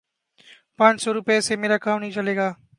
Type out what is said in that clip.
پانچ سو روپے سے میرا کام نہیں چلے گا